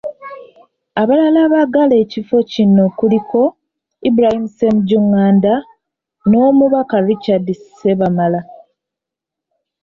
Abalala abaagala ekifo kino kuliko; Ibrahim Ssemujju Nganda n'Omubaka Richard Ssebamala.